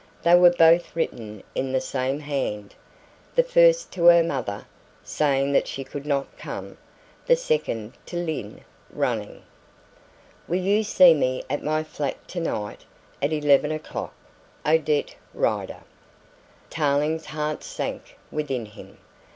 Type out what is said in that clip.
They were both written in the same hand. The first to her mother, saying that she could not come; the second to Lyne, running: "Will you see me at my flat to night at eleven o'clock? ODETTE RIDER." Tarling's heart sank within him.